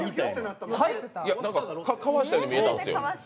かわしたように見えたんですよ。